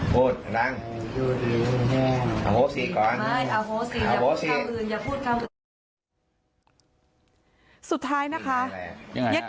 อโฮศิกรรมด้วยครับ